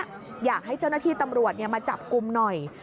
อยากให้เจ้าหน้าที่ตำรวจมาจับกลุ่มหน่อย